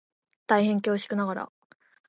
大変恐縮ながら